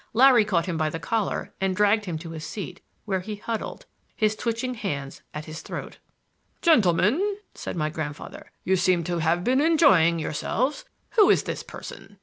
Larry caught him by the collar and dragged him to a seat, where he huddled, his twitching hands at his throat. "Gentlemen," said my grandfather, "you seem to have been enjoying yourselves. Who is this person?"